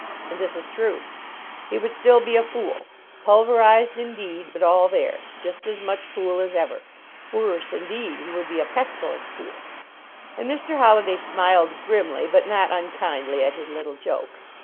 And this is true. He would still be a fool; pulver ized, indeed, but all there; just as much fool as ever. Worse, indeed; he would be a pes tilent fool." And Mr. Holliday smiled grimly, but not unkindly, at his little joke.